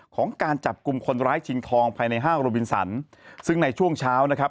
ของการจับกลุ่มคนร้ายชิงทองภายในห้างโรบินสันซึ่งในช่วงเช้านะครับ